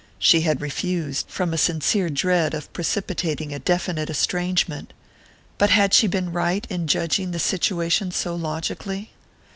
She had refused, from a sincere dread of precipitating a definite estrangement but had she been right in judging the situation so logically?